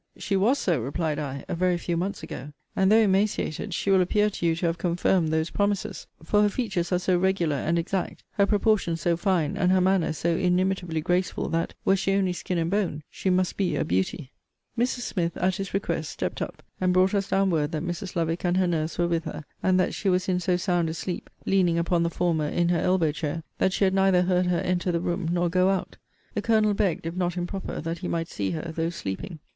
She was so, replied I, a very few months ago: and, though emaciated, she will appear to you to have confirmed those promises; for her features are so regular and exact, her proportions so fine, and her manner so inimitably graceful, that, were she only skin and bone, she must be a beauty. Mrs. Smith, at his request, stept up, and brought us down word that Mrs. Lovick and her nurse were with her; and that she was in so sound a sleep, leaning upon the former in her elbow chair, that she had neither heard her enter the room, nor go out. The Colonel begged, if not improper, that he might see her, though sleeping.